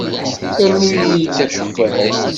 Rnu-iyi-d akeffay!